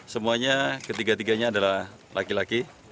semuanya ketiga tiganya adalah laki laki